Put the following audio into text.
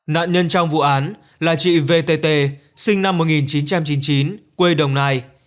nạn nhân trong vụ án là chị vtt sinh năm một nghìn chín trăm chín mươi chín quê đồng nai